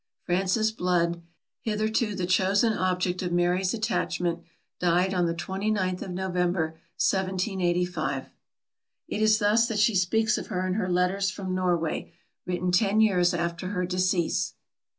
Frances Blood, hitherto the chosen object of Mary's attachment, died on the twenty ninth of November 1785. It is thus that she speaks of her in her Letters from Norway, written ten years after her decease.